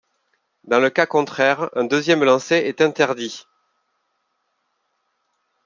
Dans le cas contraire, un deuxième lancer est interdit.